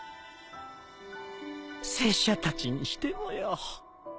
拙者たちにしてもよ。